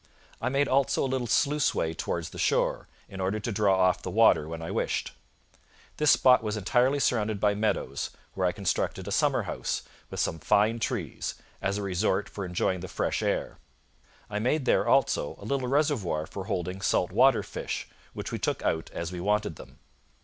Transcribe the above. I made also a little sluice way towards the shore, in order to draw off the water when I wished. This spot was entirely surrounded by meadows, where I constructed a summer house, with some fine trees, as a resort for enjoying the fresh air. I made there, also, a little reservoir for holding salt water fish, which we took out as we wanted them.